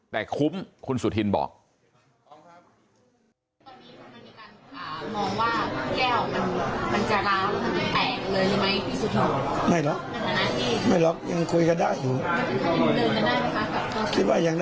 แต่คุ้มคุณสุธินบอก